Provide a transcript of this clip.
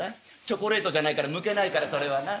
チョコレートじゃないからむけないからそれはな。